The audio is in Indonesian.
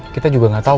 kita juga gak tau